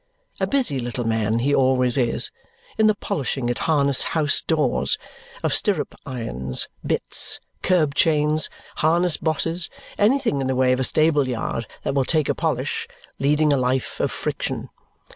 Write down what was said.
A busy little man he always is, in the polishing at harness house doors, of stirrup irons, bits, curb chains, harness bosses, anything in the way of a stable yard that will take a polish, leading a life of friction.